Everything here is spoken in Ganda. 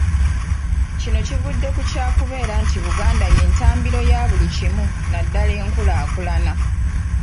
Kino kivudde ku kyakubeera nti Buganda y’entabiro ya buli kimu naddala enkukulaakulana.